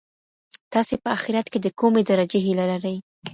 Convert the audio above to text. تاسي په اخیرت کي د کومې درجې هیله لرئ؟